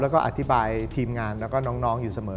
แล้วก็อธิบายทีมงานแล้วก็น้องอยู่เสมอ